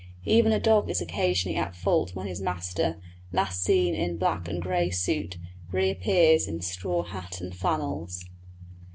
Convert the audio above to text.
Even a dog is occasionally at fault when his master, last seen in black and grey suit, reappears in straw hat and flannels.